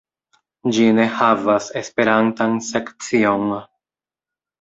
Ĝi ne havas esperantan sekcion.